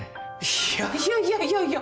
いやいやいやいやいや。